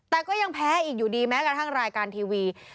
แต่ก็ยังแพ้อีกอยู่ดีแม้กระทั่งรายการทีวี